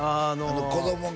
「子供が」